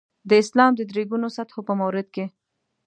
د اسلام د درې ګونو سطحو په مورد کې.